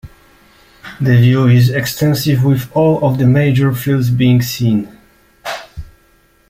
The view is extensive with all of the major fells being seen.